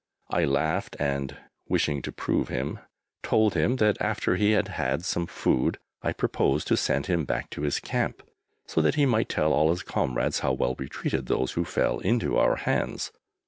I laughed, and (wishing to prove him) told him that after he had had some food I proposed to send him back to his camp so that he might tell all his comrades how well we treated those who fell into our hands.